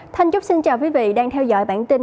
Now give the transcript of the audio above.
thanh trúc xin chào quý vị đang theo dõi bản tin